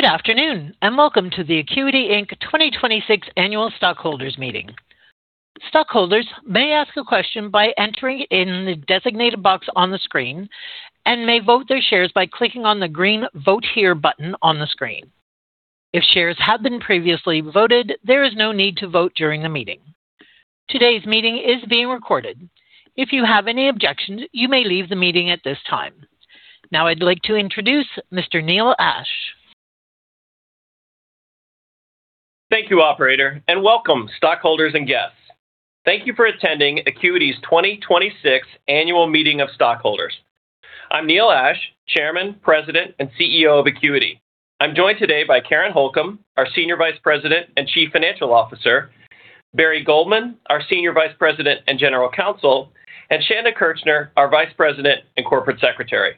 Good afternoon, and welcome to the Acuity Inc 2026 Annual Stockholders Meeting. Stockholders may ask a question by entering it in the designated box on the screen and may vote their shares by clicking on the green "Vote Here" button on the screen. If shares have been previously voted, there is no need to vote during the meeting. Today's meeting is being recorded. If you have any objections, you may leave the meeting at this time. Now, I'd like to introduce Mr. Neil Ashe. Thank you, Operator, and welcome, stockholders and guests. Thank you for attending Acuity's 2026 Annual Meeting of Stockholders. I'm Neil Ashe, Chairman, President, and CEO of Acuity. I'm joined today by Karen Holcomb, our Senior Vice President and Chief Financial Officer, Barry Goldman, our Senior Vice President and General Counsel, and Chanda Kirchner, our Vice President and Corporate Secretary.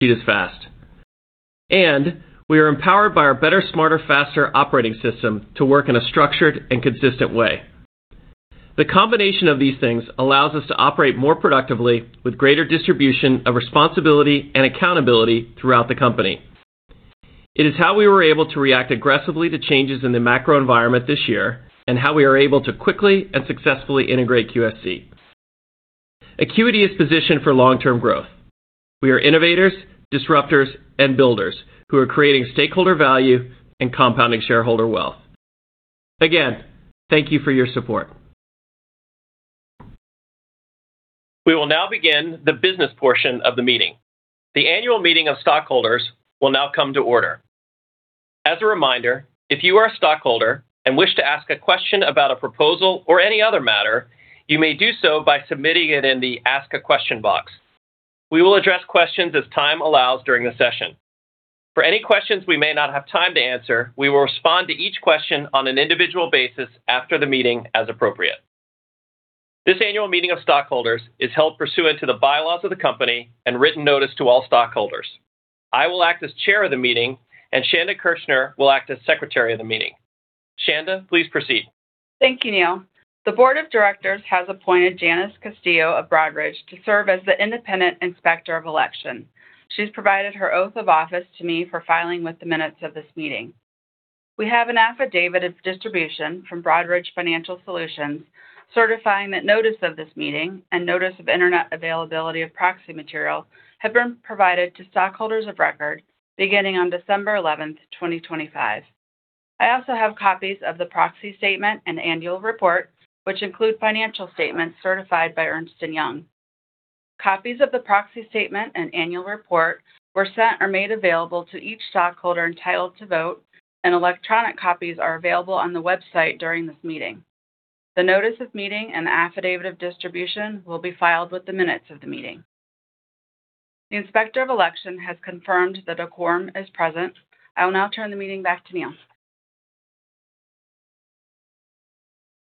It is fast. And we are empowered by our Better, Smarter, Faster operating system to work in a structured and consistent way. The combination of these things allows us to operate more productively with greater distribution of responsibility and accountability throughout the company. It is how we were able to react aggressively to changes in the macro environment this year and how we are able to quickly and successfully integrate QSC. Acuity is positioned for long-term growth. We are innovators, disruptors, and builders who are creating stakeholder value and compounding shareholder wealth. Again, thank you for your support. We will now begin the business portion of the meeting. The Annual Meeting of Stockholders will now come to order. As a reminder, if you are a stockholder and wish to ask a question about a proposal or any other matter, you may do so by submitting it in the "Ask a Question" box. We will address questions as time allows during the session. For any questions we may not have time to answer, we will respond to each question on an individual basis after the meeting as appropriate. This Annual Meeting of Stockholders is held pursuant to the bylaws of the company and written notice to all stockholders. I will act as Chair of the meeting, and Chanda Kirchner will act as Secretary of the meeting. Chanda, please proceed. Thank you, Neil. The Board of Directors has appointed Janice Castillo of Broadridge to serve as the Independent Inspector of Election. She's provided her oath of office to me for filing with the minutes of this meeting. We have an affidavit of distribution from Broadridge Financial Solutions certifying that notice of this meeting and notice of internet availability of proxy material have been provided to stockholders of record beginning on December 11, 2025. I also have copies of the proxy statement and annual report, which include financial statements certified by Ernst & Young. Copies of the proxy statement and annual report were sent or made available to each stockholder entitled to vote, and electronic copies are available on the website during this meeting. The notice of meeting and affidavit of distribution will be filed with the minutes of the meeting. The Inspector of Election has confirmed that a quorum is present. I will now turn the meeting back to Neil.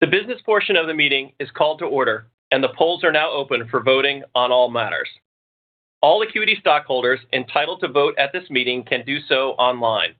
The business portion of the meeting is called to order, and the polls are now open for voting on all matters. All Acuity stockholders entitled to vote at this meeting can do so online.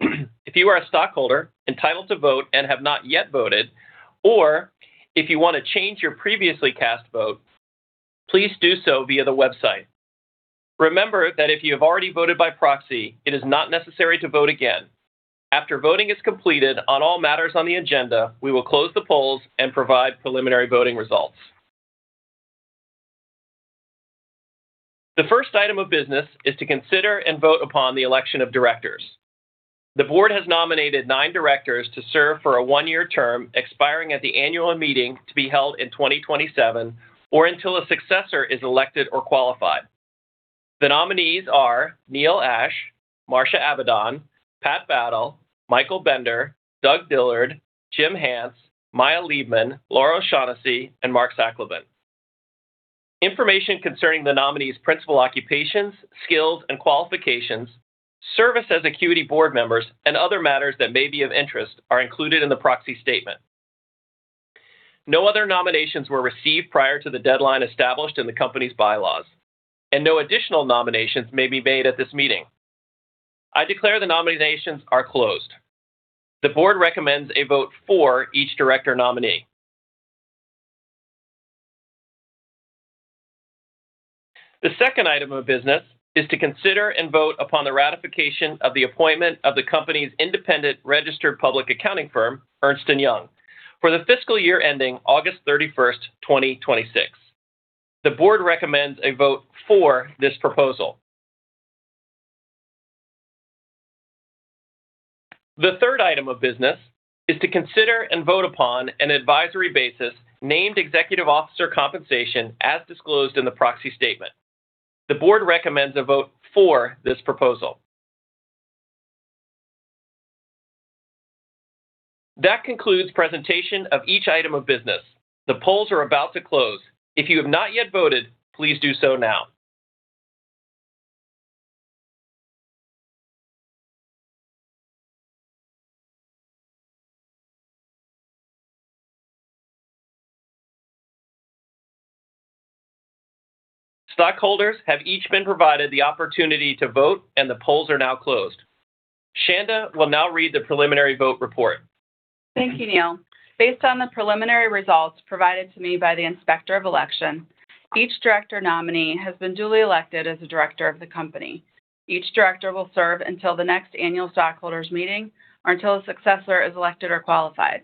If you are a stockholder entitled to vote and have not yet voted, or if you want to change your previously cast vote, please do so via the website. Remember that if you have already voted by proxy, it is not necessary to vote again. After voting is completed on all matters on the agenda, we will close the polls and provide preliminary voting results. The first item of business is to consider and vote upon the election of directors. The Board has nominated nine directors to serve for a one-year term expiring at the annual meeting to be held in 2027 or until a successor is elected or qualified. The nominees are Neil Ashe, Marsha Abadon, Pat Battle, Michael Bender, Doug Dillard, Jim Hance, Maya Leibman, Laura O'Shaughnessy, and Mark Zaklavan. Information concerning the nominees' principal occupations, skills, and qualifications, service as Acuity Board members, and other matters that may be of interest are included in the Proxy Statement. No other nominations were received prior to the deadline established in the company's bylaws, and no additional nominations may be made at this meeting. I declare the nominations are closed. The Board recommends a vote for each director nominee. The second item of business is to consider and vote upon the ratification of the appointment of the company's independent registered public accounting firm, Ernst & Young, for the fiscal year ending August 31, 2026. The Board recommends a vote for this proposal. The third item of business is to consider and vote upon an advisory basis Named Executive Officer compensation as disclosed in the Proxy Statement. The board recommends a vote for this proposal. That concludes presentation of each item of business. The polls are about to close. If you have not yet voted, please do so now. Stockholders have each been provided the opportunity to vote, and the polls are now closed. Chanda will now read the preliminary vote report. Thank you, Neil. Based on the preliminary results provided to me by the Inspector of Election, each director nominee has been duly elected as a director of the company. Each director will serve until the next annual stockholders meeting or until a successor is elected or qualified.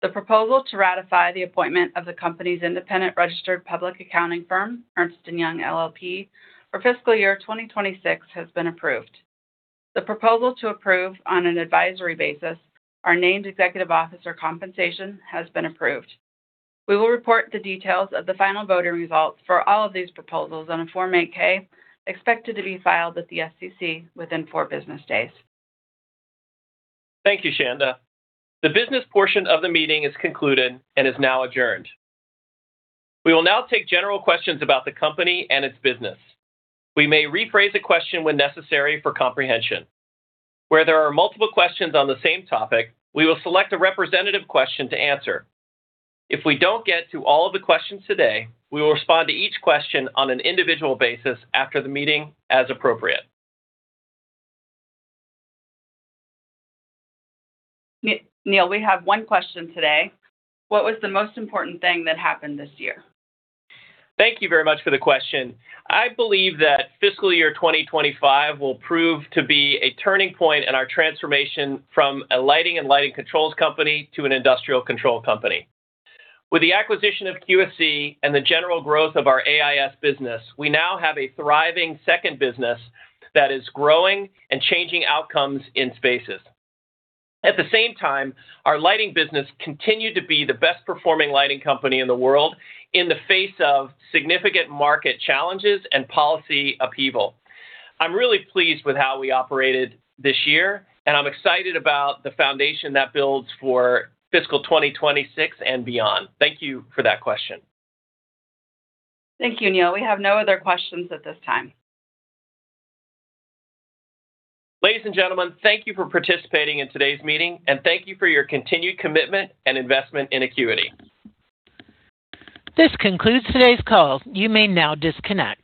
The proposal to ratify the appointment of the company's independent registered public accounting firm, Ernst & Young LLP, for fiscal year 2026 has been approved. The proposal to approve on an advisory basis our named executive officer compensation has been approved. We will report the details of the final voting results for all of these proposals on a Form 8-K expected to be filed with the SEC within four business days. Thank you, Chanda. The business portion of the meeting is concluded and is now adjourned. We will now take general questions about the company and its business. We may rephrase a question when necessary for comprehension. Where there are multiple questions on the same topic, we will select a representative question to answer. If we don't get to all of the questions today, we will respond to each question on an individual basis after the meeting as appropriate. Neil, we have one question today. What was the most important thing that happened this year? Thank you very much for the question. I believe that fiscal year 2025 will prove to be a turning point in our transformation from a lighting and lighting controls company to an industrial control company. With the acquisition of QSC and the general growth of our AIS business, we now have a thriving second business that is growing and changing outcomes in spaces. At the same time, our lighting business continued to be the best-performing lighting company in the world in the face of significant market challenges and policy upheaval. I'm really pleased with how we operated this year, and I'm excited about the foundation that builds for fiscal 2026 and beyond. Thank you for that question. Thank you, Neil. We have no other questions at this time. Ladies and gentlemen, thank you for participating in today's meeting, and thank you for your continued commitment and investment in Acuity. This concludes today's call. You may now disconnect.